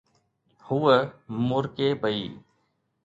ھوءَ مُرڪي پئي.